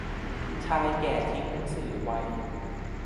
ชายแก่ทิ้งหนังสือไว้